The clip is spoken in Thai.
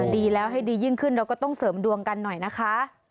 ดีแล้วให้ดียิ่งขึ้นเราก็ต้องเสริมดวงกันหน่อยนะคะ